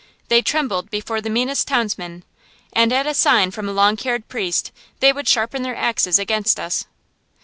They trembled before the meanest townsman, and at a sign from a long haired priest they would sharpen their axes against us.